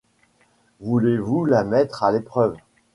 Voulez-vous la mettre à l’épreuve ?